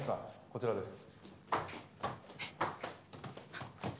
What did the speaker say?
こちらです。